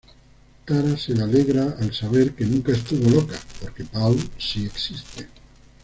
Tara se alegra al saber que nunca estuvo loca, porque Paul sí existe.